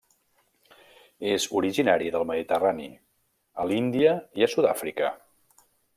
És originari del Mediterrani, a l'Índia i a Sud-àfrica.